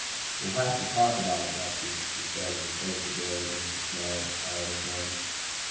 "We'll have to talk about it, Lefty," he said, as he closed the door against the smell of iodoform.